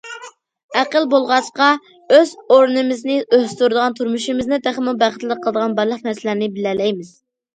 ئەقىل بولغاچقا ئۆز ئورنىمىزنى ئۆستۈرىدىغان، تۇرمۇشىمىزنى تېخىمۇ بەختلىك قىلىدىغان بارلىق نەرسىلەرنى بىلەلەيمىز.